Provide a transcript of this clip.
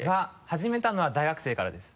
始めたのは大学生からです。